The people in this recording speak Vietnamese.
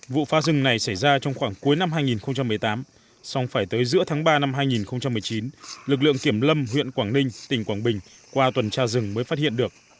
vụ phá rừng này xảy ra trong khoảng cuối năm hai nghìn một mươi tám xong phải tới giữa tháng ba năm hai nghìn một mươi chín lực lượng kiểm lâm huyện quảng ninh tỉnh quảng bình qua tuần tra rừng mới phát hiện được